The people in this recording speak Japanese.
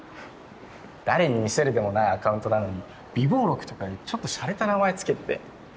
誰に見せるでもないアカウントなのに「備忘録。」とかいうちょっとしゃれた名前付けてて。